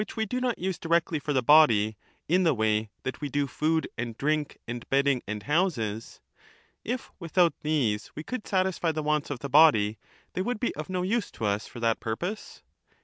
we do not use directly for the body in the way that we do Socrates, food and drink and bedding and houses, — if without these we Eryxias could satisfy the wants of the body, they would be of no use to us for that purpose?